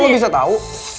kok lo bisa tau